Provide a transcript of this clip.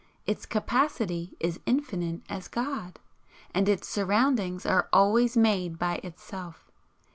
Its capacity is infinite as God, and its surroundings are always made by Itself.